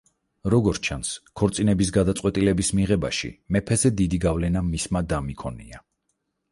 როგორც ჩანს, ქორწინების გადაწყვეტილების მიღებაში მეფეზე დიდი გავლენა მისმა დამ იქონია.